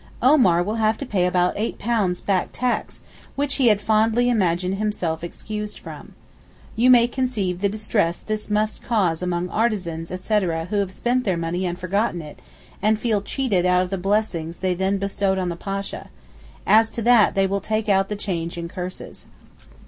Omar will have to pay about £8 back tax, which he had fondly imagined himself excused from. You may conceive the distress this must cause among artisans, etc., who have spent their money and forgotten it, and feel cheated out of the blessings they then bestowed on the Pasha—as to that they will take out the change in curses.